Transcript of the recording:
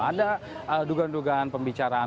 ada duga dugaan pembicaraan